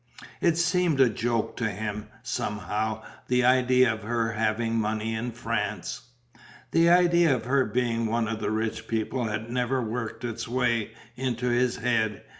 It seemed a joke to him, somehow, the idea of her having money in France. The idea of her being one of the Rich People had never worked its way into his head.